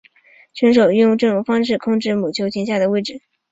选手用这种方式控制母球停下来的位置。